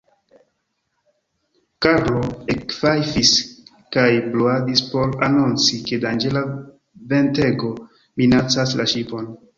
Karlo ekfajfis kaj bruadis por anonci, ke danĝera ventego minacas la ŝipon.